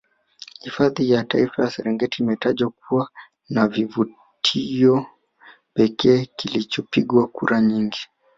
Hifadhi ya Taifa ya Serengeti imetajwa kuwa ni kivutio pekee kilichopigiwa kura nyingi